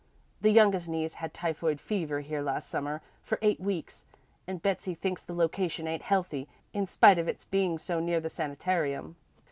The youngest niece had typhoid fever here last Summer for eight weeks, an' Betsey thinks the location ain't healthy, in spite of it's bein' so near the sanitarium.